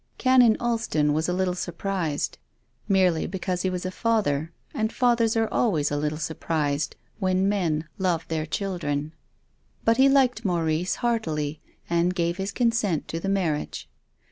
Canon Alston was a little surprised, merely be cause ho was a father, and fathers are always a little surprised when men love their children. 2l8 TONGUES OF CONSCIENCE. But he liked Maurice heartily and gave his con sent to the marriage.